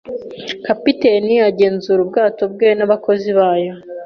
Kapiteni agenzura ubwato bwe nabakozi bayo.